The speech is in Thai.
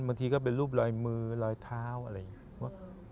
ที่เป็นรูปลอยมือรอยเท้าอะไรอย่างนี้